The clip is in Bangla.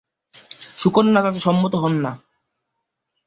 সুকন্যা তাতে সম্মত হন না।